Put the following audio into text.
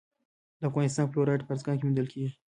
د افغانستان فلورایټ په ارزګان کې موندل کیږي.